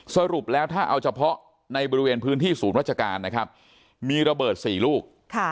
สรุปแล้วถ้าเอาเฉพาะในบริเวณพื้นที่ศูนย์ราชการนะครับมีระเบิด๔ลูก